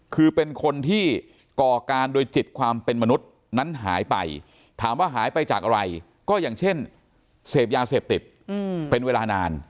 คือเป็นคนที่ก่อการโดยจิตความเป็นมนุษย์นั้นหายไปถามว่าหายไปจากอะไรก็อย่างเช่นเสพยาเสพติดเป็นเวลานาน